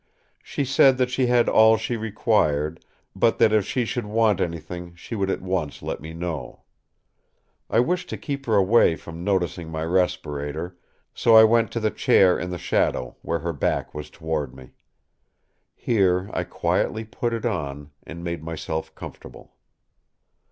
She said that she had all she required, but that if she should want anything she would at once let me know. I wished to keep her from noticing my respirator, so I went to the chair in the shadow where her back was toward me. Here I quietly put it on, and made myself comfortable.